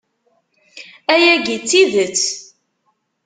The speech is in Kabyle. Ayagi d tidet!